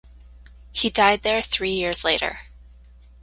He died there three years later.